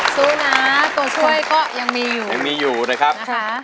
สู้นะตัวช่วยก็ยังมีอยู่ยังมีอยู่นะครับนะคะ